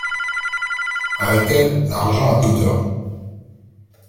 A Etel, l'argent a de l'odeur.